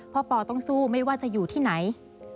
ปอต้องสู้ไม่ว่าจะอยู่ที่ไหน